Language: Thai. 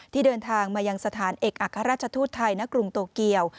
เดินทางมายังสถานเอกอัครราชทูตไทยณกรุงโตเกียว